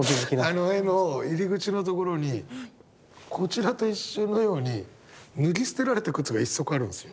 あの絵の入り口のところにこちらと一緒のように脱ぎ捨てられた靴が１足あるんですよ。